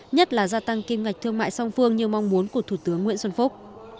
nhất là gia tăng kim ngạch thương mại song phương như mong muốn của thủ tướng nguyễn xuân phúc